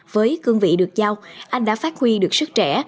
với cương vị được giao anh đã phát huy được sức trẻ